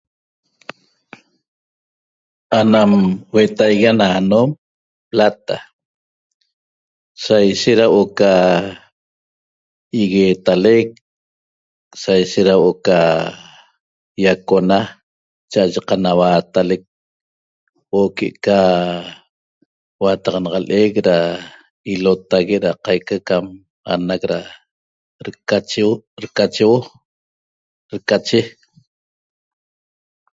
Anam huetaigui ana anom plata saishet ra huo’o ca igueetalec saishet ra huo’o ca iacona cha'aye qanahuatalec huo'o que'eca huataxanaqle'ec ra ilotague ra qaica cam anac recacheuo recache